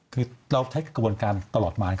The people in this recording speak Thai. คือเราใช้กระบวนการตลอดไม้